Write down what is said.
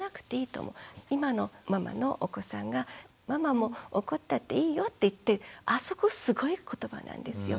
今のママのお子さんが「ママも怒ったっていいよ」って言ってあそこすごい言葉なんですよ。